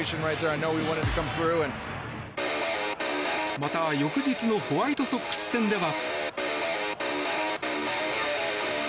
また、翌日のホワイトソックス戦では。